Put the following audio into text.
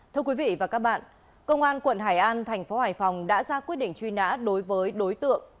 thưa quý vị và các bạn công an quận hải an thành phố hải phòng đã ra quyết định truy nã đối với đối tượng